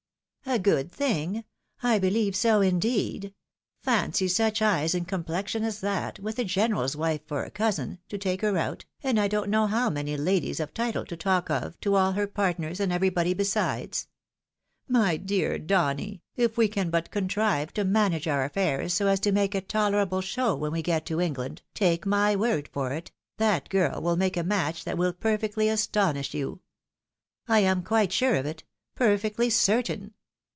" A good thing ? I beheve so, indeed ! Fancy such eyes and complexion as that, with a general's wife for a cousin, to take her out, and I don't know how many ladies of title to talk of, to all her partners and everybody besides ! My dear Donny, if we can but contrive to manage our affairs so as to make a tolerable show when we get to England, take my word for it, that girl will make a match that will perfectly astonish you. I am quite sure of it, perfectly certain.